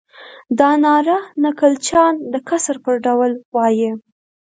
دا ناره نکل چیان د کسر پر ډول وایي.